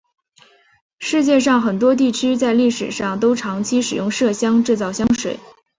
世界上很多地区在历史上都长期使用麝香制造香水。